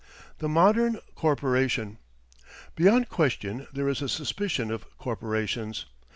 THE MODERN CORPORATION Beyond question there is a suspicion of corporations.